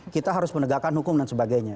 kita harus menegakkan hukum dan sebagainya